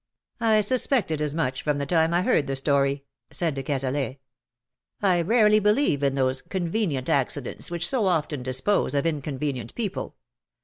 '^ I suspected as much from the time I heard the story," said de Cazalet. '^ I rarely believe in those convenient accidents which so often dispose of inconvenient people.